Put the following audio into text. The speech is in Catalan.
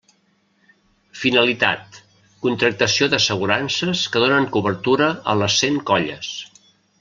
Finalitat: contractació d'assegurances que donen cobertura a les cent colles.